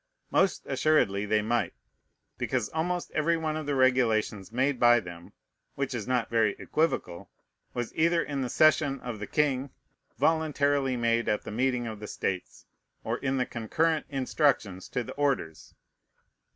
Most assuredly they might; because almost every one of the regulations made by them, which is not very equivocal, was either in the cession of the king, voluntarily made at the meeting of the States, or in the concurrent instructions to the orders.